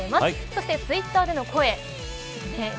そして、ツイッターでの声。